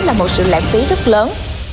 là một sự lãng phí rất lớn